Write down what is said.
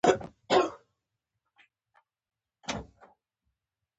احمد ځان ساټ و باټ کړی دی.